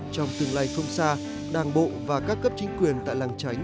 trong tương lai không xa đảng bộ và các cấp chính quyền tại lạng chánh